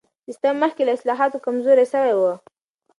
سیستم مخکې له اصلاحاتو کمزوری سوی و.